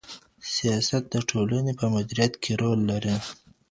سياست د ټولني په مديريت کي رول لري.